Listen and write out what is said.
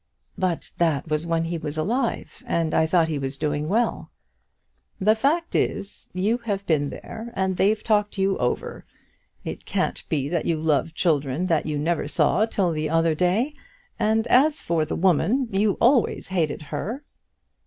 "But that was when he was alive, and I thought he was doing well." "The fact is, you have been there and they've talked you over. It can't be that you love children that you never saw till the other day; and as for the woman, you always hated her."